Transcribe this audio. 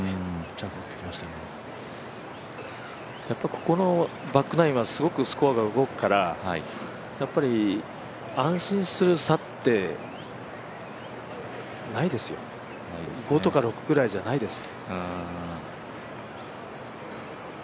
ここのバックナインはすごくスコアが動くからやっぱり安心する差ってないですよ、５とか６ぐらいじゃないです。